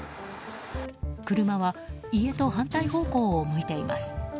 車は家と反対方向を向いています。